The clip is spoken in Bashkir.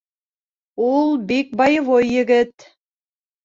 — Ул бик боевой егет.